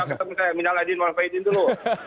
saya menyalahkan saya menyalahkan dulu